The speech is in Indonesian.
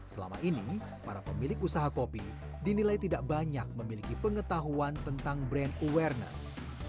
selama ini para pemilik usaha kopi dinilai tidak banyak memiliki pengetahuan tentang brand awareness